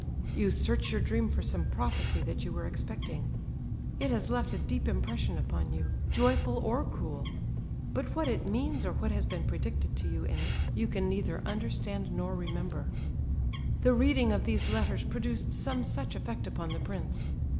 You search your dream for some prophecy that you were expecting. It has left a deep impression upon you, joyful or cruel, but what it means, or what has been predicted to you in it, you can neither understand nor remember. The reading of these letters produced some such effect upon the prince.